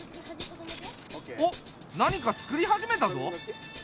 おっ何かつくり始めたぞ。